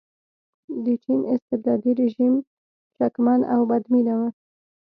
د چین استبدادي رژیم شکمن او بدبینه و.